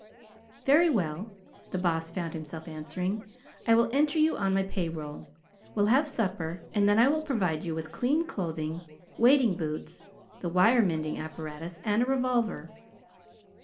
"Very well," the Boss found himself answering, "I will enter you on my pay rolls. We'll have supper, and then I will provide you with clean clothing, wading boots, the wire mending apparatus, and a revolver.